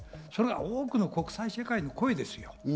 それが多くの国際社会の声ですよ。